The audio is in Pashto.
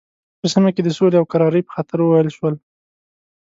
دا په سیمه کې د سولې او کرارۍ په خاطر وویل شول.